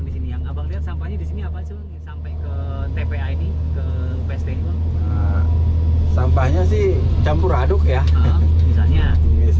pernah melihat sampah apa di sini bang